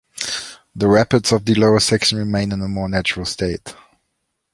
The rapids of the lower section remain in a more natural state.